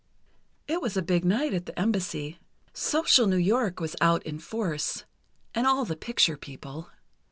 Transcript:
It was a big night at the Embassy. Social New York was out in force, and all the picture people.